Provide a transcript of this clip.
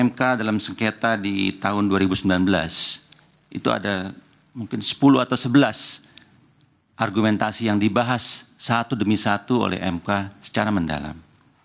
mk dalam sengketa di tahun dua ribu sembilan belas itu ada mungkin sepuluh atau sebelas argumentasi yang dibahas satu demi satu oleh mk secara mendalam